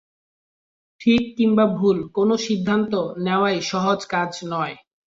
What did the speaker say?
ঠিক কিংবা ভুল, কোনো সিদ্ধান্ত নেওয়াই সহজ কাজ নয়।